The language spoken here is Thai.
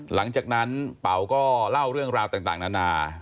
หลังจากนั้นเป๋าก็เล่าเรื่องราวต่างนานา